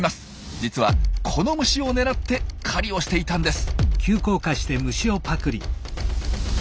実はこの虫を狙って狩りをしていたんです。